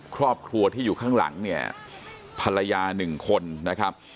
ครอบครัวที่อยู่ข้างหลังเนี่ยภรรยาหนึ่งคนนะครับ